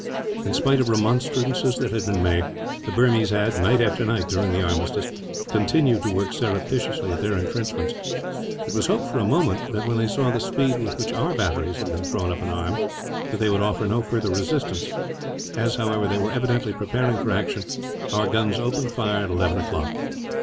In spite of remonstrances that had been made, the Burmese had, night after night during the armistice, continued to work surreptitiously at their entrenchments. It was hoped for a moment that, when they saw the speed with which our batteries had been thrown up and armed, they would offer no farther resistance. As, however, they were evidently preparing for action, our guns opened fire at eleven o'clock.